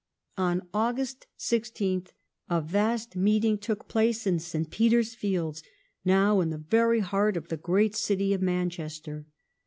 Peterloo On August 16th a vast meeting took place in St. Peter's Fields, now in the very heaii: of the great city of Manchester.